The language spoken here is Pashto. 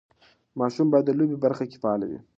ماشوم باید د لوبو برخه کې فعال وي.